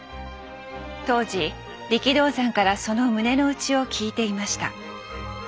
当時力道山からその胸の内を聞いていました。